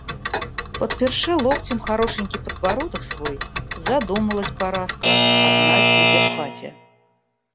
Подперши локтем хорошенький подбородок свой, задумалась Параска, одна сидя в хате.